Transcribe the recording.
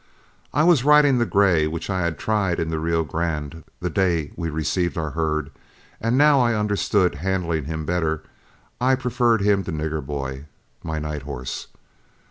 I was riding the gray which I had tried in the Rio Grande the day we received the herd, and now that I understood handling him better, I preferred him to Nigger Boy, my night horse.